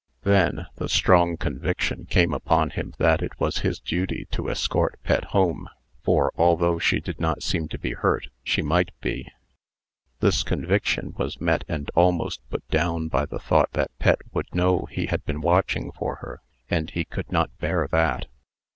Then the strong conviction came upon him that it was his duty to escort Pet home; for, although she did not seem to be hurt, she might be. This conviction was met and almost put down by the thought that Pet would know he had been watching for her; and he could not bear that.